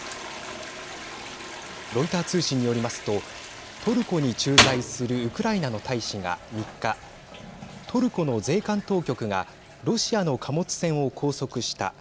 ロイター通信によりますとトルコに駐在するウクライナの大使が３日トルコの税関当局がロシアの貨物船を拘束した。